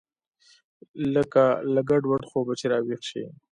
لکه له ګډوډ خوبه چې راويښ سې.